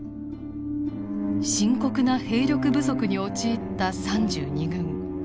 深刻な兵力不足に陥った３２軍。